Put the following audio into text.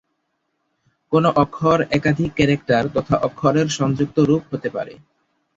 কোন অক্ষর একাধিক ক্যারেক্টার তথা অক্ষরের সংযুক্ত রূপ হতে পারে।